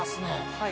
はい。